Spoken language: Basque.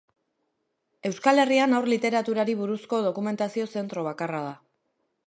Euskal Herrian haur literaturari buruzko dokumentazio zentro bakarra da.